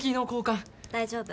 大丈夫。